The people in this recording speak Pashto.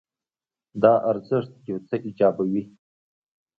دا ارزښت یو څه ایجابوي.